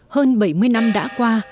hơn bảy mươi năm đã qua